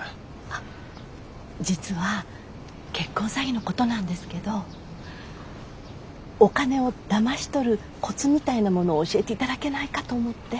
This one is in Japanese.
あっ実は結婚詐欺のことなんですけどお金をだまし取るコツみたいなものを教えていただけないかと思って。